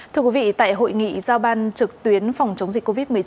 thưa quý vị tại hội nghị giao ban trực tuyến phòng chống dịch covid một mươi chín